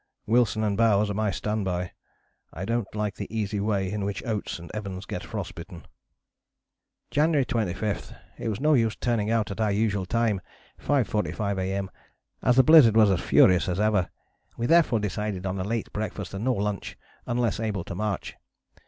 Wilson and Bowers are my stand by. I don't like the easy way in which Oates and Evans get frost bitten."] "January 25. It was no use turning out at our usual time (5.45 A.M.), as the blizzard was as furious as ever; we therefore decided on a late breakfast and no lunch unless able to march.